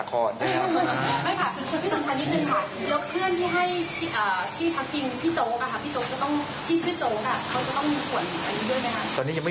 ค่ะ